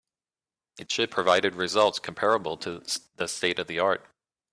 It should provided results comparable to the state of the art.